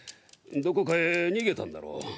どこかへ逃げたんだろう。